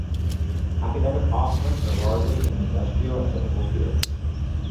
Academic offerings are largely in industrial and technical fields.